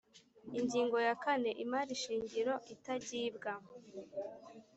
Ingingo ya kane Imari shingiro itagibwa